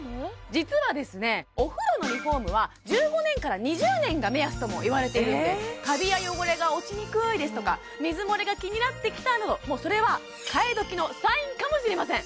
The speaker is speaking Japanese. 実はですねお風呂のリフォームは１５年から２０年が目安ともいわれているんですカビや汚れが落ちにくいですとか水漏れが気になってきたなどそれは替え時のサインかもしれません